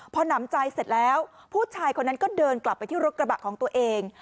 พอหนำใจเสร็จแล้วผู้ชายคนนั้นก็เดินกลับไปที่รถกระบะของตัวเอง